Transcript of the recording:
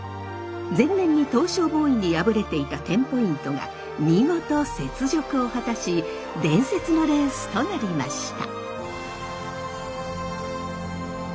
前年にトウショウボーイに敗れていたテンポイントが見事雪辱を果たし伝説のレースとなりました。